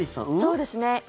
そうですね。